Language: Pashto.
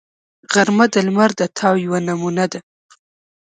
غرمه د لمر د تاو یوه نمونه ده